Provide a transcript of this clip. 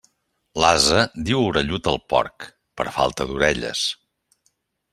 L'ase diu orellut al porc, per falta d'orelles.